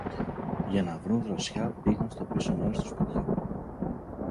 Για να βρουν δροσιά, πήγαν στο πίσω μέρος του σπιτιού